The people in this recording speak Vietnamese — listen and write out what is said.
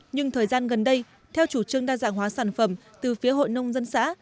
nhưng thời gian gần đây theo chủ trương đa dạng hóa sản phẩm từ phía hội nông dân xã